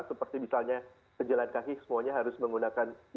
seperti misalnya sejalan kaki semuanya harus menggunakan jalur sepeda